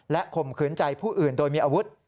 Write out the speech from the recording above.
ข่มขืนใจผู้อื่นโดยมีอาวุธ